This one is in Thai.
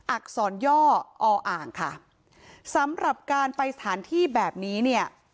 อักษรย่ออ่างค่ะสำหรับการไปสถานที่แบบนี้เนี่ย